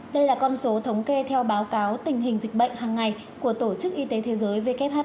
đây là con số thống kê theo báo cáo tình hình dịch bệnh hàng ngày của tổ chức y tế thế giới